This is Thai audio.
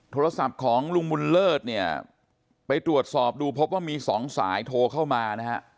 โทรศัพท์ของลุงบุญเลิศเนี่ยไปตรวจสอบดูพบว่ามีสองสายโทรเข้ามานะฮะ